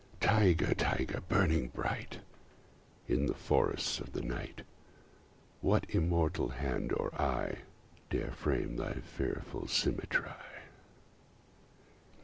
Tyger! Tyger! burning bright In the forests of the night, What immortal hand or eye Dare frame thy fearful symmetry?